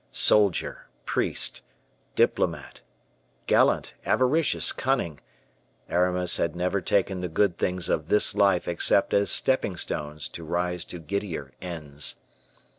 Soldier, priest, diplomatist; gallant, avaricious, cunning; Aramis had never taken the good things of this life except as stepping stones to rise to giddier ends.